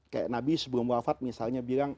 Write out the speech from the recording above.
kayak nabi sebelum wafat misalnya bilang